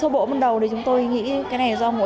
bệnh viện đa khoa tỉnh tuyên quang